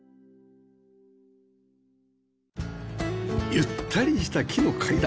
ゆったりした木の階段